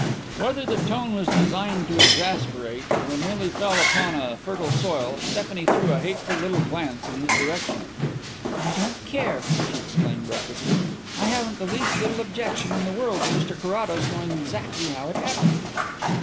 Whether the tone was designed to exasperate or merely fell upon a fertile soil, Stephanie threw a hateful little glance in his direction. "I don't care," she exclaimed recklessly; "I haven't the least little objection in the world to Mr Carrados knowing exactly how it happened."